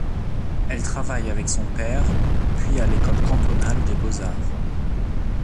Elle travaille avec son père, puis à l'école cantonale des beaux-arts.